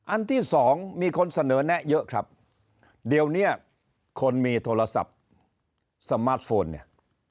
อันที่สองมีคนเสนอแนะเยอะครับเดี๋ยวเนี้ยคนมีโทรศัพท์สมาร์ทโฟนเนี่ย